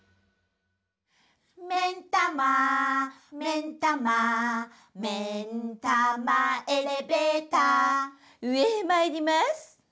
「めんたまめんたま」「めんたまエレベーター」うえへまいりまーす。